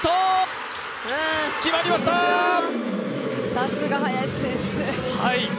さすが林選手。